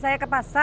bukan begitu pak